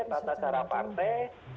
tata cara partai